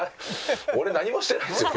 俺何もしてないですよ